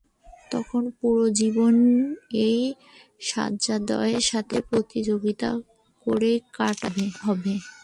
তখন পুরো জীবন এই সাজ্জাদের সাথে প্রতিযোগীতা করেই কাটাতে হবে।